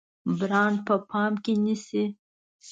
برانډ په پام کې نیسئ؟